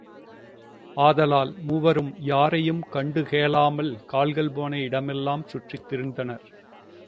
ஆதலால் மூவரும் யாரையும் கண்டு கேளாமல் கால்கள் போன இடமெல்லாம் சுற்றித்திரிந்தனர்.